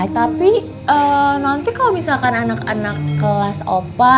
tapi nanti kalau misalkan anak anak kelas opa